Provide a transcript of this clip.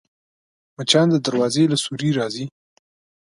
مچان د دروازې له سوري راځي